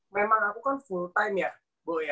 memang aku kan full time ya bo ya